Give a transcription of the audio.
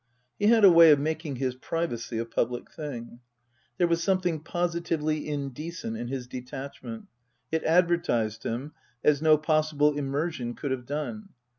He had a way of making his privacy a public thing. There was some thing positively indecent in his detachment ; it advertised him as no possible immersion could have done.